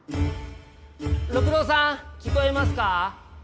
六郎さん聞こえますか？